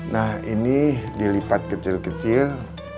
nah ini dilipat kecil kecil